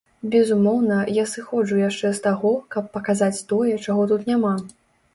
Безумоўна, я сыходжу яшчэ з таго, каб паказаць тое, чаго тут няма.